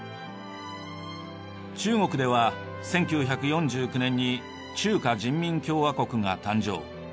中国では１９４９年に中華人民共和国が誕生。